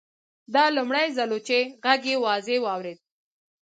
دا لومړی ځل و چې غږ یې واضح واورېد